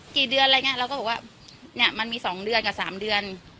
กี่เดือนอะไรอย่างนี้เราก็บอกว่าเนี่ยมันมี๒เดือนกับ๓เดือน